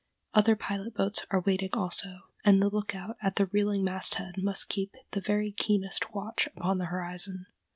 Other pilot boats are waiting also, and the lookout at the reeling mast head must keep the very keenest watch upon the horizon.